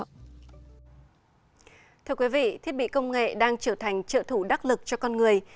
thưa quý vị thiết bị công nghệ đang trở thành trợ thủ đắc lực cho con người